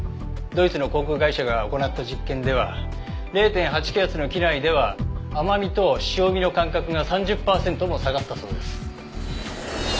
ドイツの航空会社が行った実験では０．８気圧の機内では甘味と塩味の感覚が３０パーセントも下がったそうです。